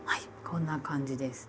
こんな感じです。